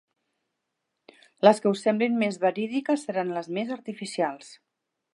Les que us semblin més verídiques seran les més artificials.